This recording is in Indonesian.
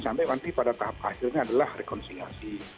sampai nanti pada tahap akhirnya adalah rekonsiliasi